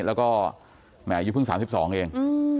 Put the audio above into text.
แล้วก็แม่อยู่เพิ่ง๓๒เอง